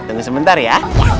tunggu sebentar ya